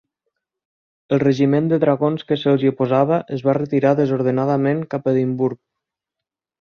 El regiment de dragons que se'ls hi oposava es va retirar desordenadament cap a Edimburg.